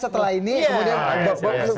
setelah ini kemudian